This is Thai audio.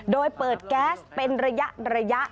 โดยเปิดแก๊สเป็นระยะ